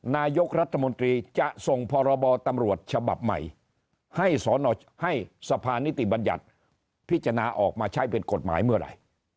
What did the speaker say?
นายกรัฐมนตรีจะส่งพรบตำรวจฉบับใหม่ให้สภานิติบัญญัติพิจารณาออกมาใช้เป็นกฎหมายเมื่อไหร่